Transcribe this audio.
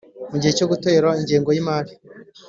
Mu gihe cyo gutora ingengo y imari